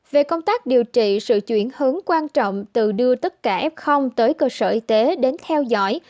về công tác điều trị sự chuyển hướng quan trọng từ đưa tất cả f tới cơ sở y tế đến theo dõi